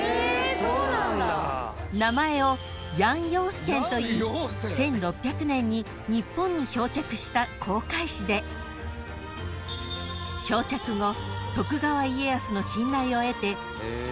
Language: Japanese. ［名前をヤン・ヨーステンといい１６００年に日本に漂着した航海士で漂着後］